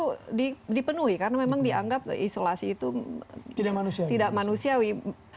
itu dipenuhi karena memang dianggap isolasi itu tidak manusiawi